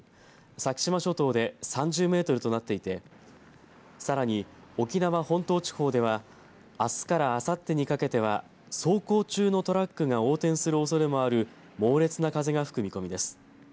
先島諸島で３０メートルとなっていてさらに沖縄本島地方ではあすからあさってにかけては走行中のトラックが横転するおそれもある猛烈な風が吹く見込みです。